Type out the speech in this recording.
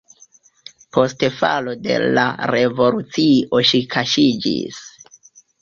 Post falo de la revolucio ŝi kaŝiĝis.